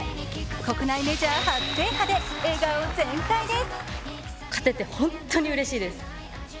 国内メジャー初制覇で笑顔全開です。